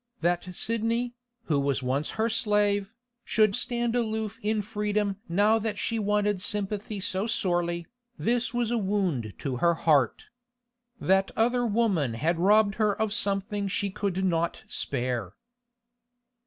That Sidney, who was once her slave, should stand aloof in freedom now that she wanted sympathy so sorely, this was a wound to her heart. That other woman had robbed her of something she could not spare.